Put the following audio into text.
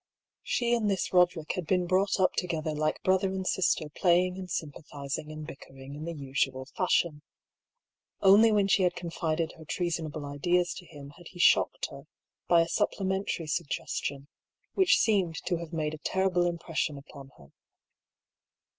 She and this Soderick had been brought up together like brother and sister playing and sympathising and bickering in the usual fashion. Only when she had confided her treasonable ideas to him had he shocked her by a supplementary suggestion, which seemed to have made a terrible impression upon her.